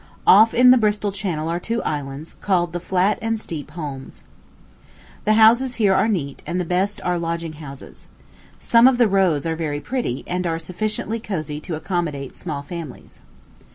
Off in the Bristol Channel are two islands, called the Flat and Steep Holmes. The houses here are neat, and the best are lodging houses. Some of the rows are very pretty, and are sufficiently cosy to accommodate small families.